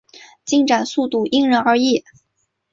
进展速度因人而异。